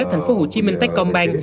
thành phố hồ chí minh tây công bang